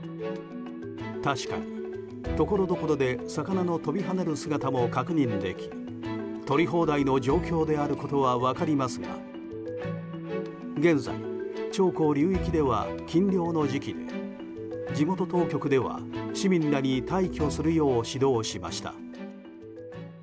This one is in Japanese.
確かにところどころで魚の飛び跳ねる姿も確認できとり放題の状況であることは分かりますが現在、長江流域では禁漁の時期で地元当局では市民らに退去するよう指導しました。